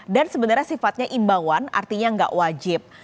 dan sebenarnya sifatnya imbawan artinya nggak wajib